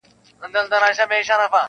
څه شڼهار د مرغلينو اوبو-